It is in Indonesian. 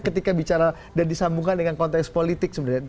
ketika bicara dan disambungkan dengan konteks politik sebenarnya